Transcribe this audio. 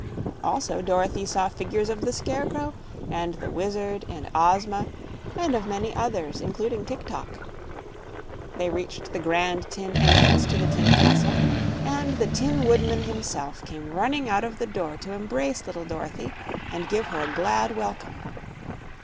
Also, Dorothy saw figures of the Scarecrow, and the Wizard, and Ozma, and of many others, including Tik tok. They reached the grand tin entrance to the tin castle, and the Tin Woodman himself came running out of the door to embrace little Dorothy and give her a glad welcome.